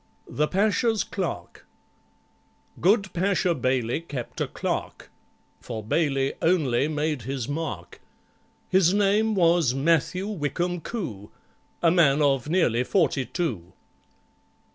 The Pasha's Clerk Good PASHA BAILEY kept a clerk (For BAILEY only made his mark), His name was MATTHEW WYCOMBE COO, A man of nearly forty two.